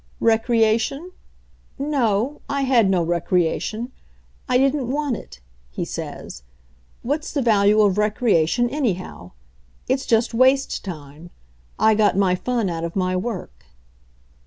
"Recreation? No, I had no recreation; I didn't want it," he says. "What's the value of recreation, anyhow ? It's just waste time. I got my fun out of my work."